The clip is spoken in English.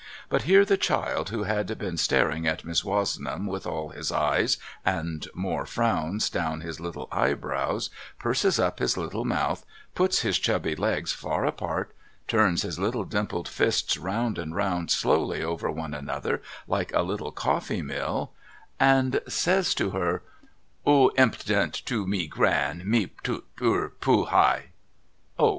But here the child who had been staring at Miss Wozenham with all his eyes and more, frowns down his little eyebrows purses up his little mouth puts his chubby legs far apart turns his little dimpled fists round and round slowly over one another like a little coftee mill, and says to her ' Oo impdent to mi Gran, me tut oor hi !'' O !